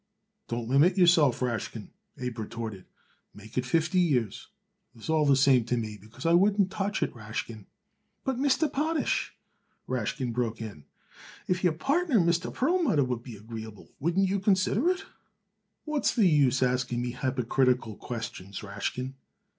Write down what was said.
"Don't limit yourself, Rashkin," Abe retorted. "Make it fifty years. It's all the same to me, because I wouldn't touch it, Rashkin." "But, Mr. Potash," Rashkin broke in, "if your partner, Mr. Perlmutter, would be agreeable, wouldn' you consider it?" "What's the use asking me hypocritical questions, Rashkin?"